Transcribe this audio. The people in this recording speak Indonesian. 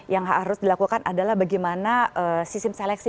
yang harus dilakukan adalah bagaimana sistem seleksi